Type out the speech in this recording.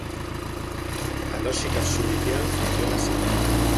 A lóxica xudicial funciona así.